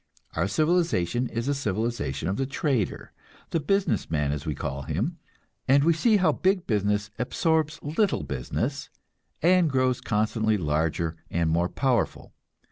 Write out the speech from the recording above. Our civilization is a civilization of the trader the business man, as we call him; and we see how big business absorbs little business, and grows constantly larger and more powerful.